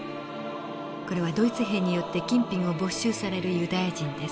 これはドイツ兵によって金品を没収されるユダヤ人です。